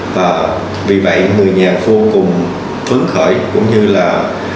vì vậy người nhà vô cùng phấn khởi cũng như là bệnh nhân